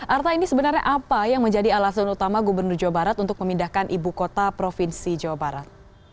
arta ini sebenarnya apa yang menjadi alasan utama gubernur jawa barat untuk memindahkan ibu kota provinsi jawa barat